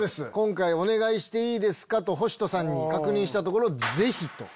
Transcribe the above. お願いしていいですか？と星人さんに確認したところ。